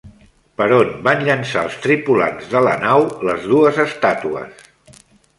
Per on van llançar els tripulants de la nau les dues estàtues?